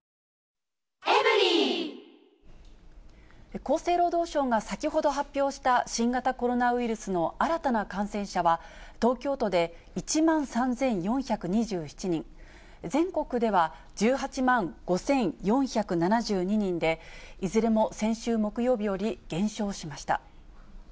厚生労働省が先ほど発表した新型コロナウイルスの新たな感染者は、東京都で１万３４２７人、全国では１８万５４７２人で、いずれも先週木曜日より減少しました。